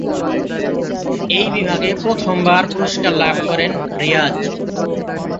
এই বিভাগে প্রথমবার পুরস্কার লাভ করেন রিয়াজ।